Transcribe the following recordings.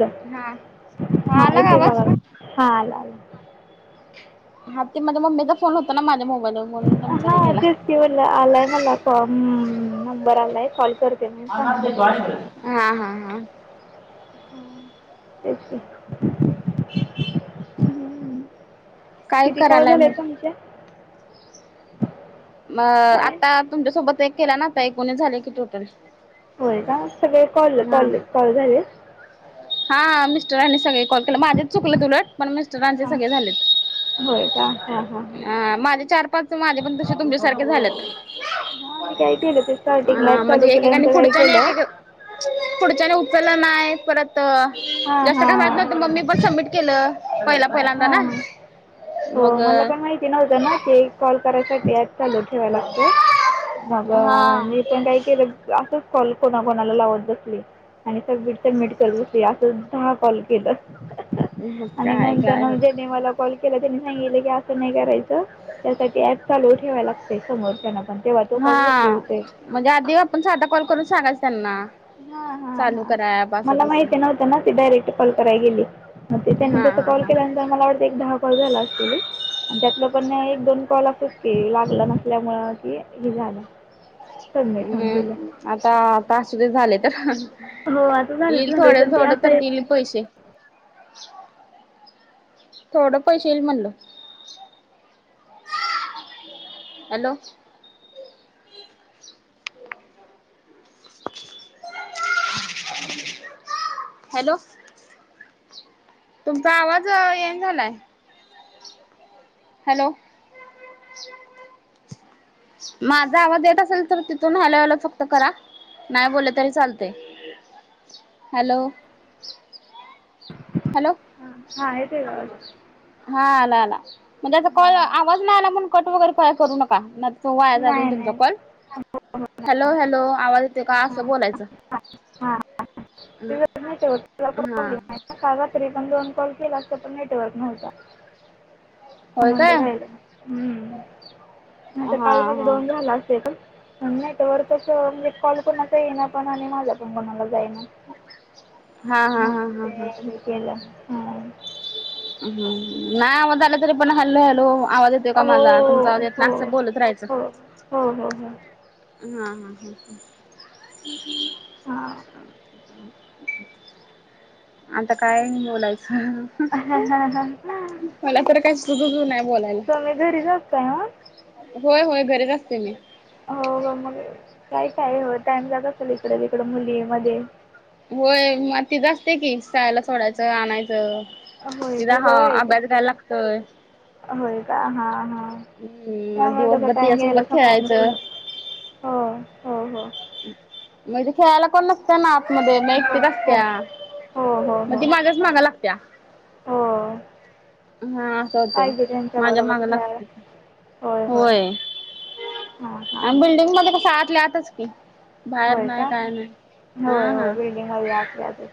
Hello हा हा येतोय का बघा हा आला आला. हा ते माझ्या मम्मीचा फोन होता ना माझ्या मोबाईलवर. म्हणून तुमचा हा हे केला. तेच की म्हनल आलाय मला फॉम नंबर आलाय कॉल कर. [unintelligible] आ हा हा हा तेच की काय किती कॉल करायलाय झाले मग तुमचे? म काय आता तुमच्यासोबत एक केला ना, आता एकोनिस झाले की टोटल. होय का सगळे कॉल हा कॉल कॉल झाले? हा मिस्टरांनी सगळे कॉल केले. माझेच चुकले उलट पण मिस्टरांचे हां सगळे झालेत. होय का हां हां हां अ माझे चार पाच माझे पण तसे तुमच्यासारखे झालेत. हां मी काय केलं ते स्टार्टिंगला अ ॲप चालू म्हणजे एकेकानी केल्यानंतर काय पुढच्यानी एक केलं एक पुढच्याने उचललं नाही. परत अ हां जास्त हां काय माहीत हां नव्हतं म मी पण सबमिट केलं. पहिला पहिल्यांदा हां ना, मग ते नव्हत ना की एक कॉल करायचा त्यात. चालू ठेवा लागतय मंग हा. मी पण काय केलं असं कॉल कोणा कोणाला लावत बसली. आणि सबमिट सबमिट करत बसली. असं दहा कॉल केलं. मग आणि काय नंतर काय ना होत ज्याने मला कॉल केला त्यांनी सांगितलं की असं नाही करायचं त्यासाठी ऍप चालू ठेवाय लागतय समोर त्यांना पण तेव्हा तो हा कॉल रिसिव्ह होतोय. म्हणजे आधी आपण साधा कॉल करून सांगायचं त्यांना हा हा चालू हा करा ऍप असं मला तसं. माहिती नव्हतं तं ती डायरेट कॉल करायला गेली म ते त्यांनी हा तस हा कॉल हा. केल्यानंतर मला वाटतं एक दहा कॉल झालं अस तेली त्यातलं पण एक दोन कॉल असच की लागलं नसल्यामुळे कि हे झालं. सबमिट होऊन गेलं हम्म आता आता असुदे झाले तर हो आता झालं येईल तर झालं थोड पण ते थोडं असं तर आहे दिल पैसे थोडं पैसे येईल म्हणलं हॅलो हॅलो तुमचा आवाज येईना झालाय हॅलो [inaudible] माझा आवाज येत असेल तर तिथून हॅलो हॅलो फक्त करा. नाय बोललं तरी चालतंय हॅलो हॅलो हां हां येते का हा आला आला म्हणजे असं कॉल हां आवाज नाय आला म्हणून कट वगैरे काय करू नका नायतरं वाया जातील नाही तुमचा नाही कॉल हो हो नाही. हॅलो हॅलो आवाज येतोय का हां असं बोलायचं. प्युअर नेटवर्क नेटवर्क हा प्रॉब्लेम हाय ना काल रात्री पण दोन कॉल केल असतं पण नेटवर्क नव्हता. होय म्हणून काय ते राहिलं हम्म नाहीतर हा काल हा माझे दोन हा झालं असते पण नेटवर्कचं म्हणजे कॉल कोणाचा येईना पण आणि माझा पण कोणाला जाईना. हा हा मग हा ते हा हा हे केलं हा नाय आवाज आला तरी पण हॅलो हॅलो आवाज येत तोय का हो माझा तुमचा येत हो नाय असं बोलत राहायचं हो हो हो हो हा हा हा हा हा आता काय बोलायचं? [unintelligible] मला तर काय सुचत नाय बोलाय तुमी घरीचं असताय ना होय होय घरीच असतोय मी हो हो मग काय काय हो टाइम जात असेल इकडं तिकडं मुली मध्ये होय म तीचं असतय कि शाळेला सोडायचं आणायचं. होय का तिजा हा जवळ आहे का अभ्यास घ्यायला लागतोय होय का हा हा हम्म मग त्यामुळे कसं दिवसभर टाइम गेला तिच्यासोबत समजत खेळायचं नसणार. हो हो हो म्हणजे खेळायला कोण नसं तं ना आत मध्ये म हो एकटीच हो असत्या हो हो मग हो ती माझ्याच माग लागत्या. हो हा असं होतंय पाहिजे माझ्या त्यांच्याबरोबर माग खेळायला लागतंय होय होय व्हय. हां हां आणि बिल्डिंग मध्ये कस आतल्या आतच की पायात होय नाय का काय नाय. अ होय होय हं. बिल्डिंगमध्ये असल्यातच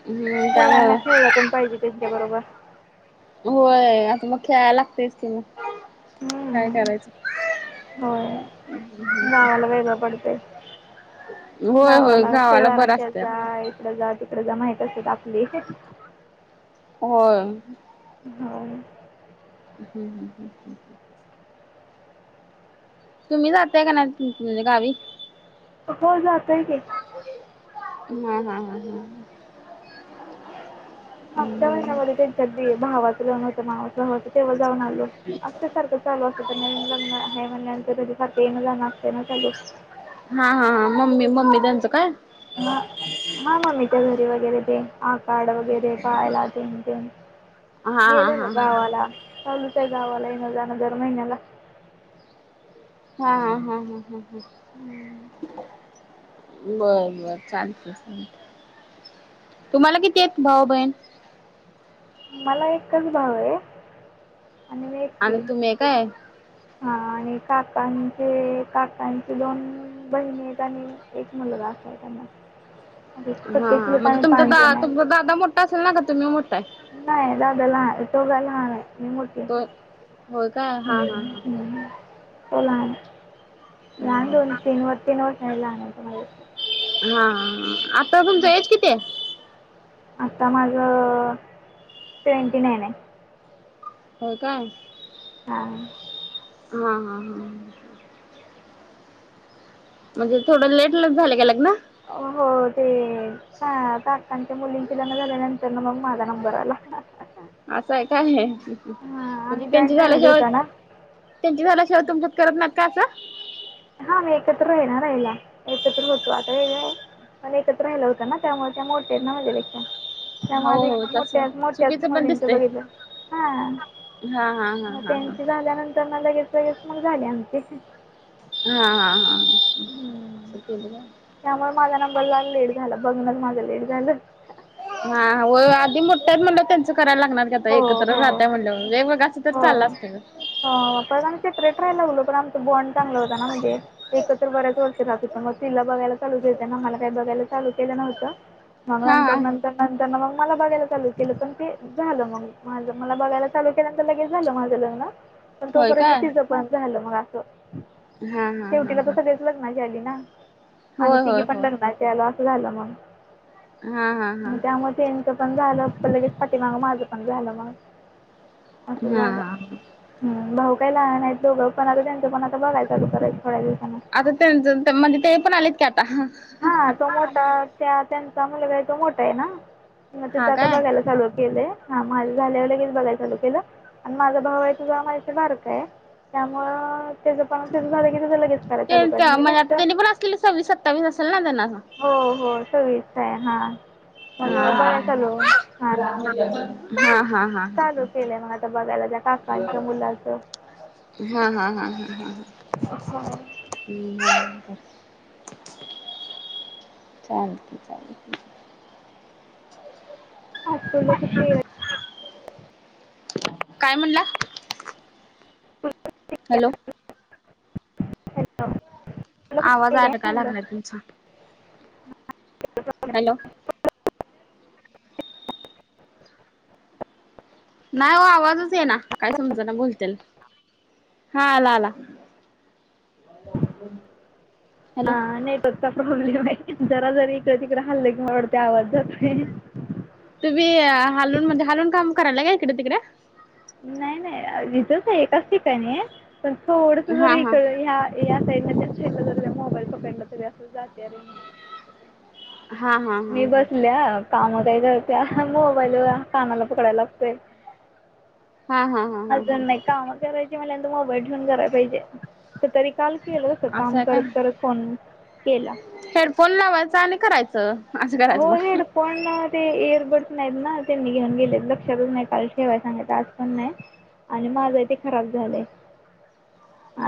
[unintelligible] कोण पाहिजे त्यांच्या बरोबर? व्हय. आता मग खेळायला लागतयच की मग. काय हम्म. करायचं. होय गावाला वेगळं पडतंय. होय होय गावाला बरं शेजारांकड असतंय जा आपलं. इकड जा तिकड माहित असत्यात आपली. होय. हव. ह्म. तुम्ही जाताय काय नाय तुम गावी? हो जातोय की. हा हा हा हा. मागच्या महिन्यामध्ये हा त्यांच्या ते भावाचं लग्न होतं ना मानस भावाच‌ तेव्हा जाऊन आलो. आत्ता सारखं चालू असत तर नवीन लग्न आहे म्हणल्या नंतर त्याच सारखं येणं जाणं असत ना चालू. हा हा हा मम्मी मम्मी त्यांंच काय? हा मम्मीच्या घरी वगैरे ते आकाड वगैरे पाहायला तेन तेन. हा हा हा गेलेलो हा गावाला. चालुच आहे गावाला येणं-जाण दर महिन्याला. हा हा हा हा. हम्म. बरं बरं चालत चाल तुम्हाला किती आहेत भाऊ बहिण? मला एकच भाऊ आहे, आणि मी आणि एकटी. तुम्ही काय हा. आणि काकाचे आणि ते काका दोन बहिणी आहेत आणि एक मुलगा अस हे त्यांना. आता हा सख्खे हा. चुलत म्हणजे आम्ही तुमचा पाच दा जण तुमचा दादा मोठा असेल ना का तुम्ही मोठ्या आहे? नाय दादा लहा तो ज लहान आहे मी मो- तोच हो का? हा हा हा. हम्म. तो लहान. हा लहान हा दोन-तीन व तीन वर्षांनी लहान आहे तो माझ्या. हा हा. आता तुमचं एज किती आहे? आत्ता माझं अहह ट्वेंटी नाईन आहे. होय का? हां. हा हा हा. म्हणजे थोडं लेट झाले का लग्न? हो ते का काकांच्या मुलींचे लग्न झाल्यानंतर ना मग माझं. अस आहे काय? म्हणजे आम्ही जॉईंट त्यांची झाल्या फॅमिली शिवाय होता ना त्यांची झाल्या शिवाय तुमच्यात करत नाहीत का असं. हा एकत्र आहे ना रहायला. एकत्र होतो. आता वेगळ हाय. आम्ही एकत्र राहायला होतं ना त्यामुळे त्या मोठ्या आहेत ना माझ्यापेक्षा. त्या हो माझ एक हो तस मोठ्याच मोठ्याच चुकीचं पण म्हणून तर दिसतय बघितल्या. हा. हा हा हा मग हा त्यांची झाल्यानंतर ना लगेच लगेच मंग झाले आमची‌. हा हा हा. हम्म. असं केलं का? त्यामुळे माझा नंबर ला लेट झाल. बघणच माझं लेट झालं. हा व्हय आधी मोठ्या आहेत म्हणल्यावर त्यांचं ते करायला लागणार की. आता हो, एकत्र हो. राहताय म्हणल्यावर, वेगवेगळं आसत तर चाललं असतं ग. हो. पण आम्ही सेपरेट राहायला लागलो, पण आमचा बॉण्ड चांगला होता ना. म्हणजे एकत्र बऱ्याच वर्ष राहत होतो. मग तिला बघायला चालू केलीत. मग मला काही बघायला चालू केलं नव्हतं मग हा नंतर हा नंतर नंतर मग मला बघायला चालू केलं पण ते झालं मग मा मला बघायला चालू केल्यानंतर लगेच झालं माझं लग्न. पण होय तोपर्यंत काय तीझ पण झालं मग असं. हा हा हा शेवटीला हा दुसऱ्याच्या सगच लग्नाची आली ना आणि होय तिघी होय पण होय लग्ना त्याला असं झालं हा हा हा मग त्यामु त्यांचं पण झालं असतं लगेच पाटी माग. माझं पण झालं मग, असं हा झालं. हा ह. भाऊ काही लहान आहेत. दोघं पण आल त्यांचं पण आता बघायला चालू परत थोड्या दिवसांन. आता त्यांच म्हणजे ते पण आलेत कि आता हा तो मोठा त्या त्यांचा मुलगा आहे तो मोठा आहे ना? मग ते हा आता काय बघायला चालू केलंय. हा माझ झाल्यावर लगेच बघायला चालू केलं. आणि माझा भाऊ आहे तो जरा माझ्याशी बारका आहे. त्यामुळे त्याचं पण त्याचं झालं की लगेच करायला चालू करायचं त्यांच्या म्हणजे मनात त्यांचं त्यांनी पण असतील. सव्वीस सत्तावीस असेल ना त्यांना मग? हो हो. सव्वीस चा आहे हां. मग हा बघाय चालू हां हा हा. हा. हा चालू केलंय मग आता बघायला त्या काकांच्या मुलाचं. हा हा हा हम हम हो ह. ह [unintelligible] चालतय चालतं. आज स्कूला सुट्टी आहे वाटतं. काय म्हणला? हॅलो. हॅलो आवाज काय अडकाय म्हणलं लागलाय तुमचं. [unintelligible] हॅलो. नाही हो. आवाजच येईना. काय समजना बोलतेल. हा आला आला. हा हॅलो नेटवर्कचा प्रॉब्लेम आहे. जरा जरी इकडे तिकडं हल्ल की मला वाटतेय आवाज जातोय. तुम्ही हलून म्हणजे हालून काम करायला का इकडे तिकडे? नाही नाही. इथच आहे. एकाच ठिकाणी पण थोडस हा जरी हा हिकडं ह्या. या साईडन त्या साइडला जात्या. मोबाईल पकडलं तरी असं जात्या रेंज. हा हा. हा मी हा बसल्या काम काय मोबाईलवर कामाला पकडायला लागतोय. हा हा. हा हा हा. अजून नाही. काम करायची म्हटल्यांवर मोबाईल ठेऊन कराय पाहिजे. तर ते रिकाम केलं होत असं काम आहे करत करत काय फोन केला. हेडफोन लावायचा आणि करायचं. असं करायचं हो. मग. हेड पण ते एअरबड्स नाहीत ना. त्यांनी घेऊन गेलेत. लक्षातच नाही काल ठेवाय सांगायच आज पण नाही. आणि माझा ते खराब झालंय.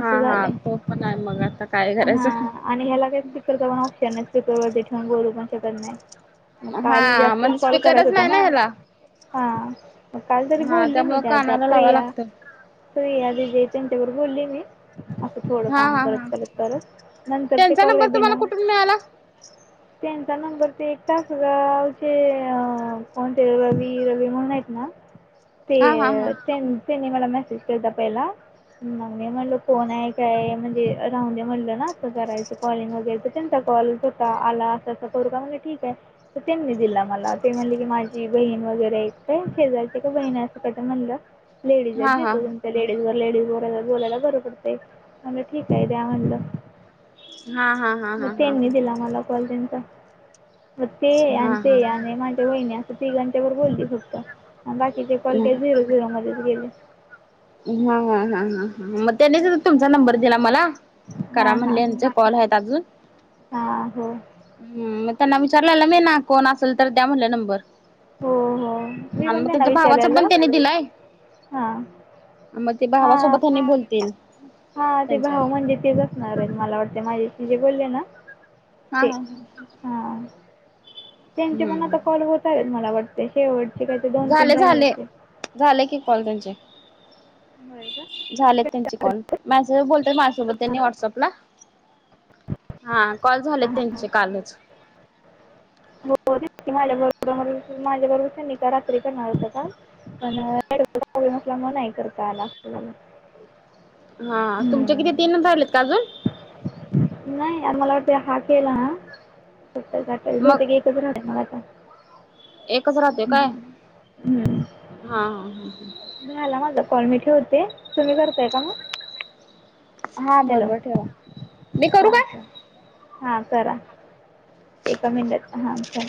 हा हा तो पण आहे मग आता काय करायचं. हां आणि ह्याला काय स्पीकरचा पण ऑप्शन नाही. स्पीकर वरती ठेवून बोलू पण शकत नाही. काल हा जास्त म्हणजे कॉल करायच स्पीकरच होता नाही ना ह्याला. हा. मग काल तरी हा बोलली मी त्यामुळे त्या त्या कानाला लावाय प्रिया, लागतं प्रिया दिदी आहेत त्यांच्यावर बोलले मी. असं थोडं हा काम हा करत हा करत करत नंतरचे त्यांचा कॉलवे नंबर तुम्हाला बिना कुठून मिळाला त्यानंतर ते एकट तासगावचे अ कोणते रवी, रवी म्हणून आहेत ना हा हा हा ते त्यांनी मला मेसेज केलता पहिला. मग मी म्हणल कोण आहे, काय आहे म्हणजे राहू दे म्हटलं ना असं करायचं. कॉलिंग वगैरे तर त्यांचा तसा आला तसं करू का म्हणे ठीक आहे. तर त्यांनी दिला मला ते म्हणले की माझी बहीण वगैरे एकत शेजारची का बहीण असं काय ते म्हणलं. लेडीज हा हा हा देतो येतो. लेडीज वर लेडीज व बोलायला बरं पडतंय म्हणलं ठीक आहे दया म्हणलं. हा हा हा हा हा मग हा त्यांनी दिला मला कॉल त्याचा. मग ते आहे हा आणि हा हा हा ते आणि माझ्या वाहिनी असं तिघांच्या वर बोलली फक्त. बाकीचे कॉल काय झिरो झिरो मध्येच गेले. हा हा ह ह मग त्यांनीच तुमचा नंबर दिला मला करा म्हणल्याच. कॉल आहेत अजून? हा हो. हम्म मग त्यांना विचारला मी ना कोण असेल तर दया म्हटलं नंबर. हो हो मी मला पण मग त्यांना त्यांच्या भावाचा पण विचारलेलं त्याने दिलाय. हां. मग ते भावासोबत आणि बोलतील. हा ते त्यांच्या भाऊ म्हणजे तेच असणार आहे मला वाटते माझ्याशी बोलले ना हा ते. हा हा त्यांचे पण आता हम्म कॉल होत आहेत मला वाटतं. ते शेवटचे काय ते दोन तीन झाले राहिल्या झाले असतील. झाले की कॉल त्यांचे. होय का? झालेत त्यांचे कॉल मॅसेज बोलतात माझ्यासोबत त्यांनी व्हॉट्सअप ला. हा कॉल झाले हां हां त्यांचे कालचं. हो दिप्ती मॅडम बरोबर माझ्या बरोबर रात्री करणार होता टास्क. पण रड म करता आला आप [inaudible] हा तुमचे किती तीन झालेत आजून? नाही मला वाटतंय हा केला ना [unintelligible] मग एकच राहतोय मग माझा. एकच राहते काय हम्म. हा हा ह. झाला माझा कॉल मी ठेवते तुम्ही करतायं का मग? हा हा हॅलो! बरोबर ठेवा मी करू हा काय ठेवा हा करा. एका मिनिटात हा करा.